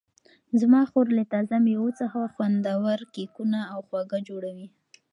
زما خور له تازه مېوو څخه خوندورې کیکونه او خواږه جوړوي.